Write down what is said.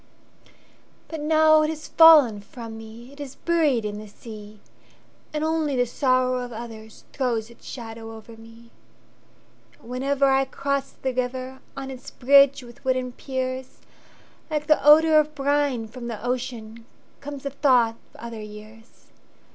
But now it has fallen from me, It is buried in the sea; And only the sorrow of othersThrows its shadow over me, Yet whenever I cross the riverOn its bridge with wooden piers, Like the odor of brine from the oceanComes the thought of other years.